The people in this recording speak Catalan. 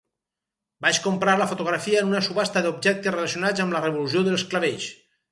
Vaig comprar la fotografia en una subhasta d'objectes relacionats amb la Revolució dels Clavells.